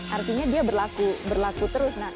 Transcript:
artinya dia berlaku terus